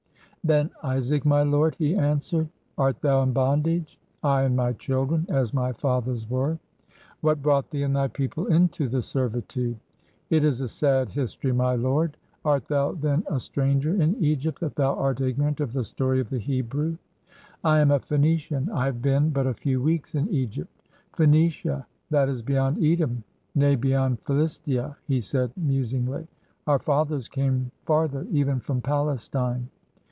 "Ben Isaac, my lord!" he answered. "Art thou in bondage?" "I and my children, as my fathers were!"*. "What brought thee and thy people into this servi tude?" " It is a sad history, my lord! Art thou then a stran ger in Egypt, that thou art ignorant of the story of the Hebrew?" " I am a Phoenician. I have been but a few weeks in Egypt." "Phoenicia! That is beyond Edom; nay, beyond Philistia," he said musingly. "Our fathers came farther, even from Palestine."